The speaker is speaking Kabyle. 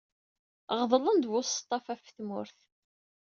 Ɣeḍlen-d buseṭṭaf ɣef tmurt.